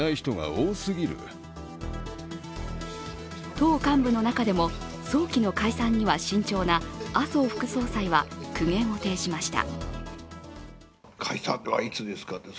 党幹部の中でも早期の解散には慎重な麻生副総裁は苦言を呈しました。